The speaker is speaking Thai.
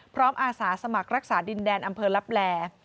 อาสาสมัครรักษาดินแดนอำเภอลับแหล่